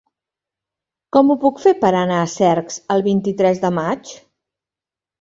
Com ho puc fer per anar a Cercs el vint-i-tres de maig?